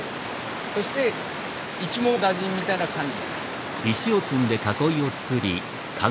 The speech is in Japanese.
そして一網打尽みたいな感じ。